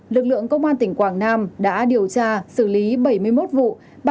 lực lượng công an tỉnh quảng nam đã điều tra xử lý bảy mươi một vụ